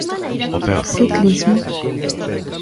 Ciclismo.